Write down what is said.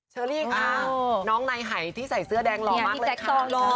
เชอลี่คะน้องในไห่ที่ใส่เสื้อแดงหล่อมากเลยค่ะ